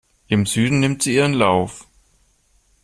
Im Süden nimmt sie ihren Lauf.